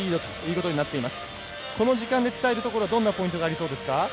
この時間で伝えるところどんなポイントになりますか？